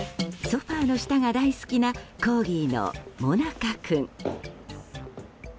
ソファの下が大好きなコーギーのモナカ君。